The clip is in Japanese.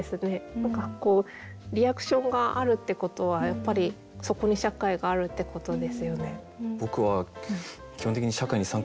何かこうリアクションがあるってことはやっぱりそこに社会があるってことですよね。